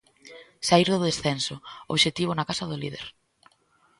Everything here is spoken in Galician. Saír do descenso, obxectivo na casa do líder.